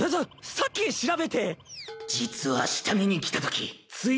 さっき調べて。